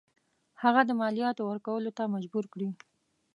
هغه د مالیاتو ورکولو ته مجبور کړي.